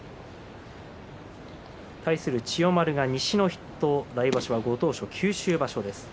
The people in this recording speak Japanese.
対する千代丸、西の筆頭来場所はご当所、九州場所です。